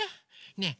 ねえ